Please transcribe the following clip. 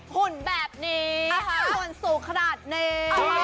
หุ่นแบบนี้หุ่นสูงขนาดนี้